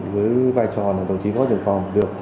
với vai trò là đồng chí góp trường phòng được